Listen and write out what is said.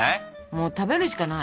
もう食べるしかない。